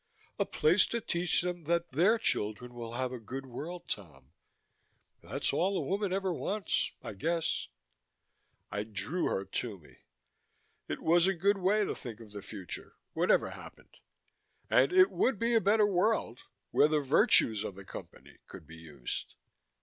"A place to teach them that their children will have a good world, Tom. That's all a woman ever wants, I guess." I drew her to me. It was a good way to think of the future, whatever happened. And it would be a better world, where the virtues of the Company could be used.